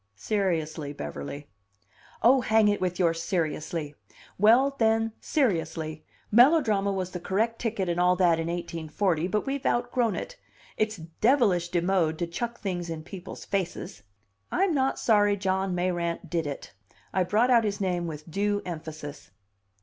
"Seriously, Beverly." "Oh, hang it with your 'seriously'! Well, then, seriously, melodrama was the correct ticket and all that in 1840, but we've outgrown it; it's devilish demode to chuck things in people's faces. "I'm not sorry John Mayrant did it!" I brought out his name with due emphasis.